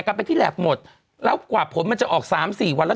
กันไปที่แหลบหมดแล้วกว่าผลมันจะออกสามสี่วันแล้ว